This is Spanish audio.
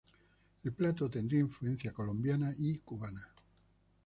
El plato tendría influencia colombiana y cubana.